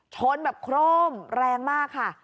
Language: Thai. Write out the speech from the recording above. ชนแบบโคร่มแรงมากค่ะ